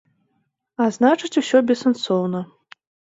А значыць, усё бессэнсоўна.